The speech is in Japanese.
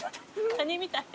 カニみたい。